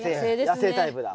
野生タイプだ。